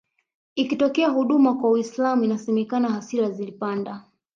ikitoa huduma kwa Uislam inasemekana hasira zilipanda